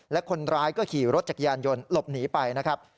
และคนร้ายก็ขี่รถจักรยานยนต์หลบหนีไปนะครับ